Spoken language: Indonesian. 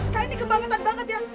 kayak ini kebangetan banget ya